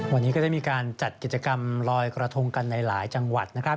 วันนี้ก็ได้มีการจัดกิจกรรมลอยกระทงกันในหลายจังหวัดนะครับ